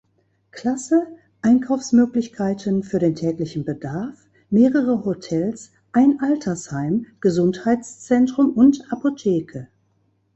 Klasse, Einkaufsmöglichkeiten für den täglichen Bedarf, mehrere Hotels, ein Altersheim, Gesundheitszentrum und Apotheke.